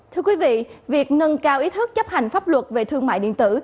thưa quý vị việc nâng cao ý thức chấp hành pháp luật về thương mại điện tử